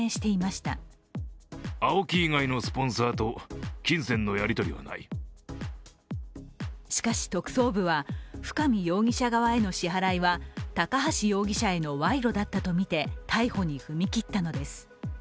しかし、特捜部は深見容疑者側への支払いは高橋容疑者への賄賂だったとみて逮捕に踏み切ったのです。